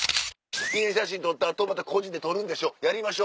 記念写真撮った後また個人で撮るんでしょやりましょ。